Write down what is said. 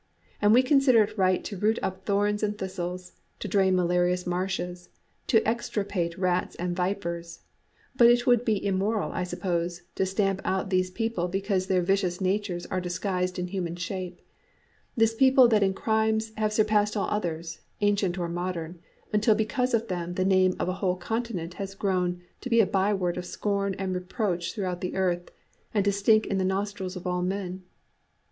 And we consider it right to root up thorns and thistles, to drain malarious marshes, to extirpate rats and vipers; but it would be immoral, I suppose, to stamp out these people because their vicious natures are disguised in human shape; this people that in crimes have surpassed all others, ancient or modern, until because of them the name of a whole continent has grown to be a byword of scorn and reproach throughout the earth, and to stink in the nostrils of all men!